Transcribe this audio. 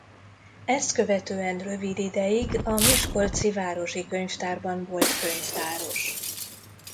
Ezt követően rövid ideig a Miskolci Városi Könyvtárban volt könyvtáros.